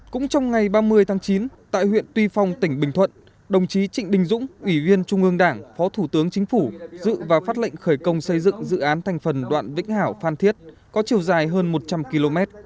cũng trong ngày ba mươi tháng chín tại huyện tuy phong tỉnh bình thuận đồng chí trịnh đình dũng ủy viên trung ương đảng phó thủ tướng chính phủ dự và phát lệnh khởi công xây dựng dự án thành phần đoạn vĩnh hảo phan thiết có chiều dài hơn một trăm linh km